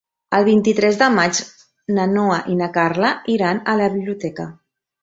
El vint-i-tres de maig na Noa i na Carla iran a la biblioteca.